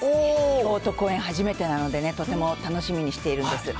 京都公演、初めてなのでね、とても楽しみにしているんです。